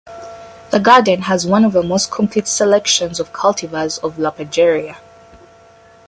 The garden has one of the most complete selections of cultivars of "Lapageria".